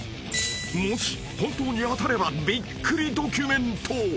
［もし本当に当たればびっくりドキュメント］